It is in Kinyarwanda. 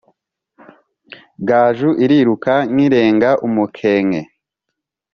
Gaju iriruka nkirenga-Umukenke.